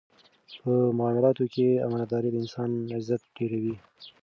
په معاملاتو کې امانتداري د انسان عزت ډېروي.